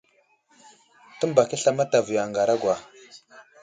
Təmbak i asla mataviyo a ŋaragwa.